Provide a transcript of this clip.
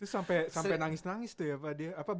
terus sampai nangis nangis tuh ya pak